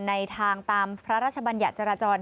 ในทางตามพระราชบัญญัติจราจร